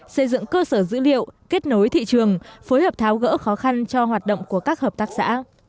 xây dựng cơ sở dữ liệu kết nối thị trường phối hợp tháo gỡ khó khăn cho hoạt động của các hợp tác xã